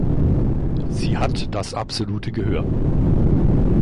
Sie hat das absolute Gehör.